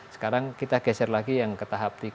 sekarang kita geser lagi yang ke tahap tiga